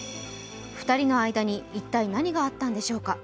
２人の間に一体何があったのでしょうか。